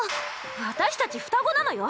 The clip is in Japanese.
私たち双子なのよ！